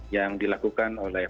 yang dilakukan oleh